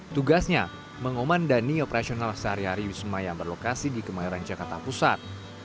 tugasnya mengomandani operasional sehari hari wisma yang berlokasi di kemayoran jakarta pusat